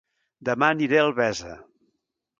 Dema aniré a Albesa